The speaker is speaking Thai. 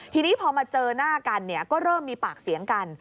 ทีนี้พอมาเจอหน้ากันก็เริ่มมีปากเสียงกัน